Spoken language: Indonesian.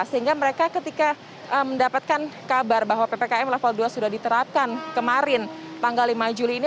sehingga mereka ketika mendapatkan kabar bahwa ppkm level dua sudah diterapkan kemarin tanggal lima juli ini